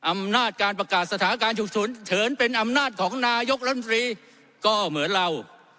อำนาจการประกาศสถานการณ์ฉุกเฉินเฉินเป็นอำนาจของนายกรัฐมนตรีก็เหมือนเรา